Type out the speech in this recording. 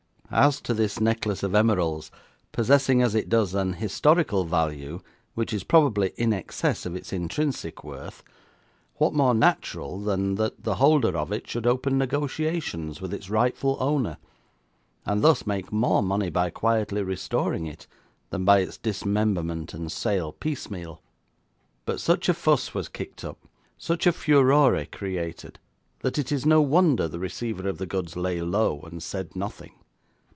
As to this necklace of emeralds, possessing as it does an historical value which is probably in excess of its intrinsic worth, what more natural than that the holder of it should open negotiations with its rightful owner, and thus make more money by quietly restoring it than by its dismemberment and sale piecemeal? But such a fuss was kicked up, such a furore created, that it is no wonder the receiver of the goods lay low, and said nothing.